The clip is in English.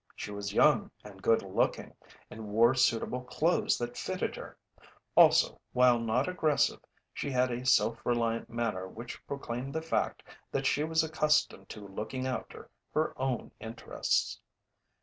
She was young and good looking and wore suitable clothes that fitted her; also, while not aggressive, she had a self reliant manner which proclaimed the fact that she was accustomed to looking after her own interests.